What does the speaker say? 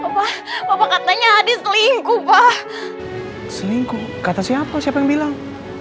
bapak bapak katanya adis selingkuh selingkuh kata siapa siapa yang bilang